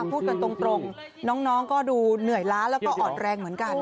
พูดกันตรงน้องก็ดูเหนื่อยล้าแล้วก็อ่อนแรงเหมือนกัน